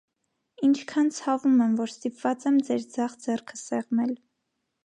- Ինչքա՛ն ցավում եմ, որ ստիպված եմ ձեր ձախ ձեռքը սեղմել: